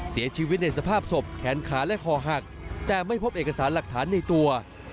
เสียชีวิตในสภาพศพแขนขาและคอหักแต่ไม่พบเอกสารหลักฐานในตัว